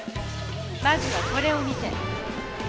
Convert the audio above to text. まずはこれを見て！